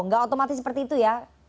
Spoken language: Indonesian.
nggak otomatis seperti itu ya